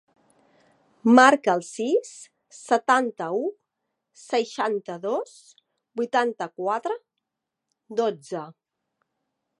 Marca el sis, setanta-u, seixanta-dos, vuitanta-quatre, dotze.